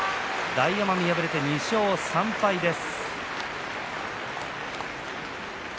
大奄美、敗れて２勝３敗です。